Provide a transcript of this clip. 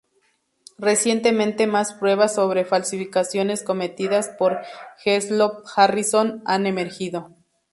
Recientemente más pruebas sobre falsificaciones cometidas por Heslop-Harrison han emergido.